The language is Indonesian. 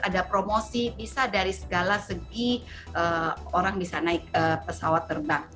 ada promosi bisa dari segala segi orang bisa naik pesawat terbang